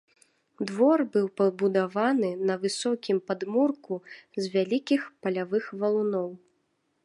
Двор быў пабудаваны на высокім падмурку з вялікіх палявых валуноў.